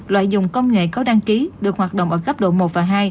loại dùng công nghệ có đăng ký được hoạt động ở cấp độ một và hai